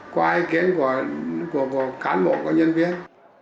qua ý kiến của cán bộ của nhân viên